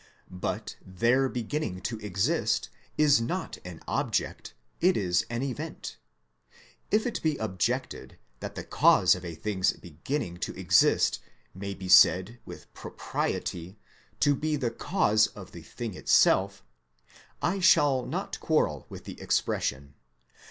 But their beginning to exist is not an object, it is an event. If it be ob jected that the cause of a thing's beginning to exist may be said .with propriety to be the cause of the thing itself, I shall not quarrel with the expression.